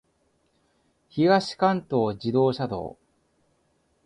東関東自動車道